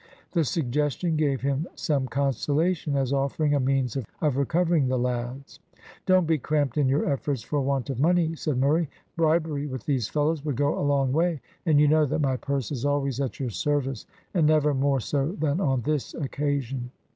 The suggestion gave him some consolation, as offering a means of recovering the lads. "Don't be cramped in your efforts for want of money," said Murray. "Bribery with these fellows will go a long way, and you know that my purse is always at your service, and never more so than on this occasion."